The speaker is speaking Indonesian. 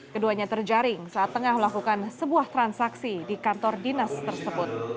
keduanya terjaring saat tengah melakukan sebuah transaksi di kantor dinas tersebut